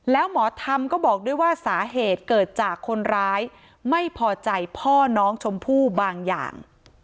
แล้วหมอธรรมก็บอกด้วยว่าสาเหตุเกิดจากคนร้ายไม่พอใจพ่อน้องชมพู่บางอย่าง